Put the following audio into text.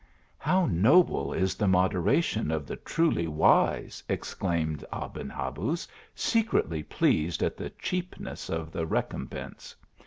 " How noble is the moderation of the truly wise ! exclaimed Aben Habuz, secretly pleased at the cheapness of the recompense.